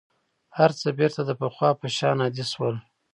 هر څه بېرته د پخوا په شان عادي شول.